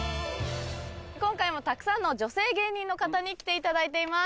今回もたくさんの女性芸人の方に来ていただいています。